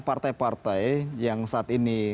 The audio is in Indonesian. partai partai yang saat ini